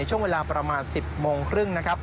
ช่วงเวลาประมาณ๑๐โมงครึ่ง